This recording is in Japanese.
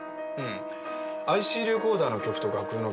ＩＣレコーダーの曲と楽譜の曲